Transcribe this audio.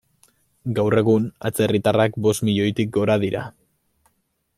Gaur egun, atzerritarrak bost milioitik gora dira.